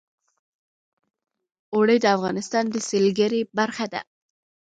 اوړي د افغانستان د سیلګرۍ برخه ده.